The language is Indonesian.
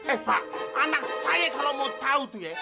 eh pak anak saya kalau mau tahu dia